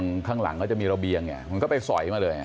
ข้างหลังก็จะมีระเบียงเนี่ยมันก็ไปสอยมาเลย